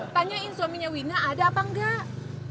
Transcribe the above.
tanyain suaminya wina ada apa enggak